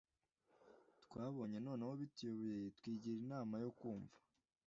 twabonye noneho bituyobeye twigira inama yo kumva